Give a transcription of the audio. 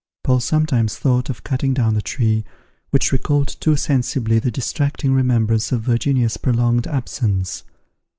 Paul sometimes thought of cutting down the tree, which recalled too sensibly the distracting remembrance of Virginia's prolonged absence.